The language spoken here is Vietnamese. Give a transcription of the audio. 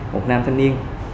một nam thanh niên